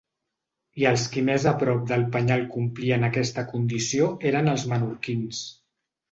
I els qui més a prop del penyal complien aquesta condició eren els menorquins.